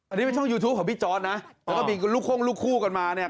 อันนี้เป็นช่องยูทูปของพี่จอร์ดนะแล้วก็มีลูกโค้งลูกคู่กันมาเนี่ย